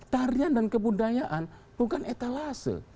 tarian dan kebudayaan bukan etalase